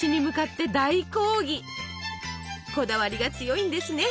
こだわりが強いんですね。